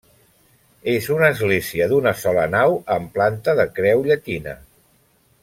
És una església d'una sola nau amb planta de creu llatina.